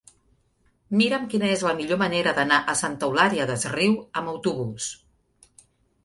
Mira'm quina és la millor manera d'anar a Santa Eulària des Riu amb autobús.